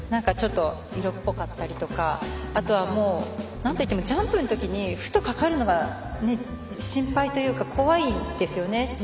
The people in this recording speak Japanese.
色っぽかったりとかあとはなんといってもジャンプの時にふと、かかるのが心配というか怖いんですよね。